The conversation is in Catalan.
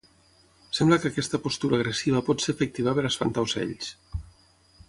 Sembla que aquesta postura agressiva pot ser efectiva per a espantar ocells.